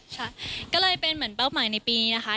ใช่ก็เลยเป็นเหมือนเป้าหมายในปีนะคะ